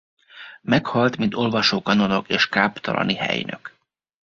Meghalt mint olvasó-kanonok és káptalani helynök.